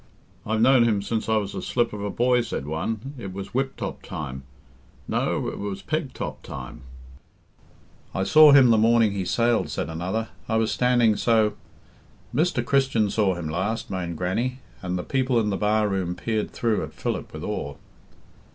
"I've known him since I was a slip of a boy," said one. "It was whip top time no, it was peg top time " "I saw him the morning he sailed," said another. "I was standing so " "Mr. Christian saw him last," moaned Grannie, and the people in the bar room peered through at Philip with awe.